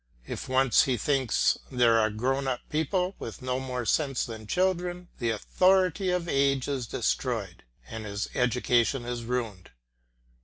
If once he thinks there are grown up people with no more sense than children the authority of age is destroyed and his education is ruined.